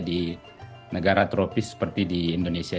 di negara tropis seperti di indonesia